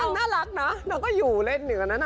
แล้วมันน่ารักนะแล้วก็อยู่เล่นเหนือนั้น